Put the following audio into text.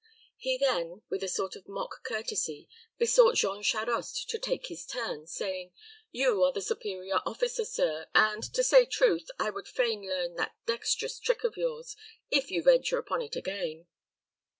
He then, with a sort of mock courtesy, besought Jean Charost to take his turn, saying, "You are the superior officer, sir, and, to say truth, I would fain learn that dexterous trick of yours, if you venture upon it again."